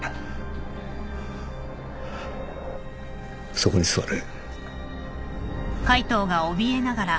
そこに座れ。